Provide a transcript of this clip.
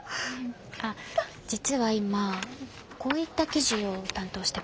あっ実は今こういった記事を担当してまして。